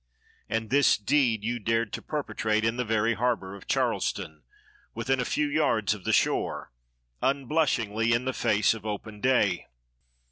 And this deed you dared to perpetrate in the very harbor of Charleston, within a few yards of the shore, unblushingly, in the face of open day.